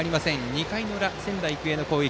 ２回裏、仙台育英の攻撃。